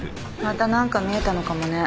また何か見えたのかもね。